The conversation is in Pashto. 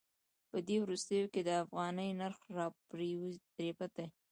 په دې وروستیو کې د افغانۍ نرخ راپریوتی.